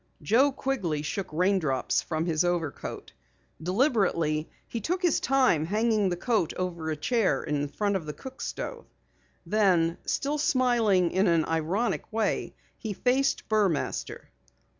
Joe Quigley shook rain drops from his overcoat. Deliberately he took his time hanging the coat over a chair in front of the cook stove. Then, still smiling in an ironic way, he faced Burmaster.